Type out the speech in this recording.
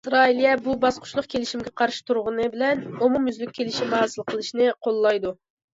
ئىسرائىلىيە بۇ باسقۇچلۇق كېلىشىمگە قارشى تۇرغىنى بىلەن، ئومۇميۈزلۈك كېلىشىم ھاسىل قىلىشنى قوللايدۇ.